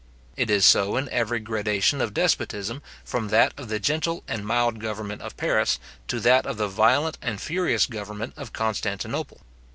It is so in every gradation of despotism, from that of the gentle and mild government of Paris, to that of the violent and furious government of Constantinople.